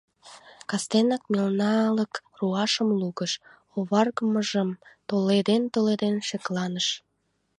Кастенак мелналык руашым лугыш, оваргымыжым толеден-толеден шекланыш.